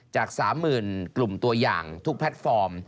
จาก๓๐๐๐กลุ่มตัวอย่างทุกแพลตฟอร์ม